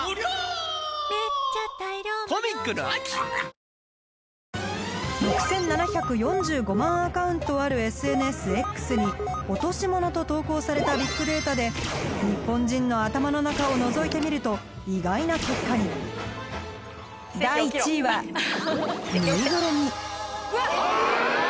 「ＧＯＬＤ」も６７４５万アカウントあるＳＮＳＸに落とし物と投稿されたビッグデータでニッポン人の頭の中をのぞいてみると意外な結果に第１位はあ！